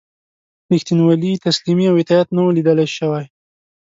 ریښتینولي، تسلیمي او اطاعت نه وه لیده شوي.